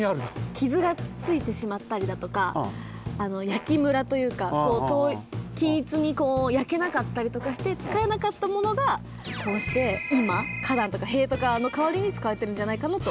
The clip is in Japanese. きずがついてしまったりだとかあの焼きむらというかこう均一にこう焼けなかったりとかして使えなかったものがこうしていまかだんとかへいとかのかわりに使われているんじゃないかなとおもわれます。